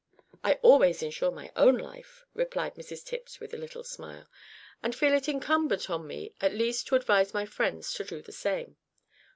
"I always insure my own life," replied Mrs Tipps with a little smile, "and feel it incumbent on me at least to advise my friends to do the same."